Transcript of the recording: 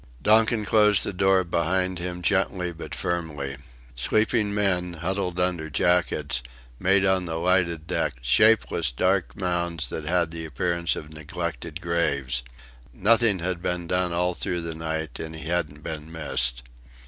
Donkin closed the door behind him gently but firmly. Sleeping men, huddled under jackets, made on the lighted deck shapeless dark mounds that had the appearance of neglected graves. Nothing had been done all through the night and he hadn't been missed.